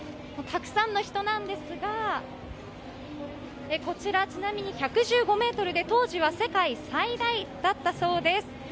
たくさんの人なんですがこちら、ちなみに１１５ｍで当時は世界最大だったそうです。